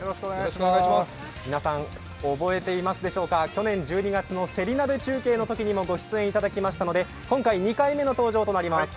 皆さん、覚えていますでしょうか、去年１２月のせり鍋中継のときもご出演いただきましたので今回２回目のご出演です。